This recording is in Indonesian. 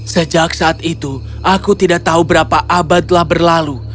sejak saat itu aku tidak tahu apa yang terjadi